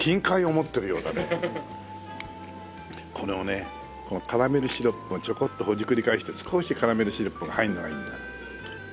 これをねこのカラメルシロップをちょこっとほじくり返して少しカラメルシロップが入るのがいいんだな。